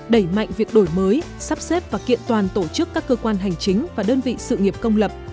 đẩy mạnh việc đổi mới sắp xếp và kiện toàn tổ chức các cơ quan hành chính và đơn vị sự nghiệp công lập